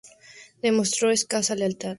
Demostró escasa lealtad al emperador.